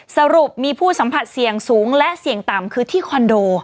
สรุปมีผู้สัมผัสเสี่ยงสูงและเสี่ยงต่ำคือที่คอนโด